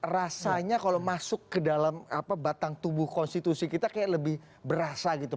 rasanya kalau masuk ke dalam batang tubuh konstitusi kita kayak lebih berasa gitu